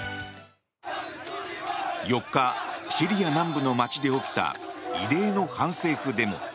４日、シリア南部の街で起きた異例の反政府デモ。